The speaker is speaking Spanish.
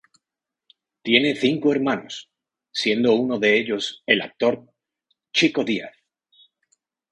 Tiene cinco hermanos, siendo uno de ellos el actor Chico Díaz.